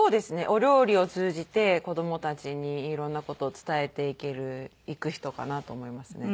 お料理を通じて子供たちに色んな事を伝えていく人かなと思いますね。